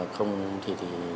không thì thì